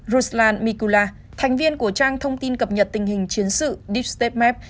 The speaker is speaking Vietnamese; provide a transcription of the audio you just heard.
ruslan mikula thành viên của trang thông tin cập nhật tình hình chiến sự deep state map